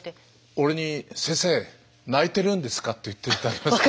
俺に「先生泣いてるんですか？」と言って頂けますか。